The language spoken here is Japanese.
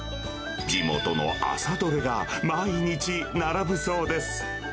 地元の朝どれが、毎日並ぶそうです。